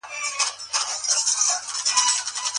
که چکر ووهو نو ذهن نه بندیږي.